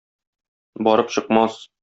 Барып чыкмас!